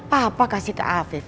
papa kasih ke afif